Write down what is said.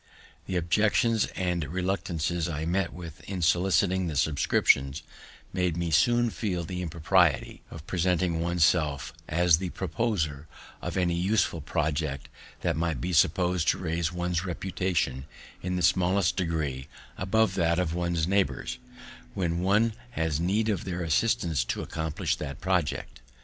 The objections and reluctances I met with in soliciting the subscriptions, made me soon feel the impropriety of presenting one's self as the proposer of any useful project, that might be suppos'd to raise one's reputation in the smallest degree above that of one's neighbours, when one has need of their assistance to accomplish that project.